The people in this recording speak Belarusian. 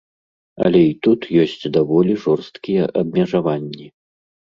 Але і тут ёсць даволі жорсткія абмежаванні.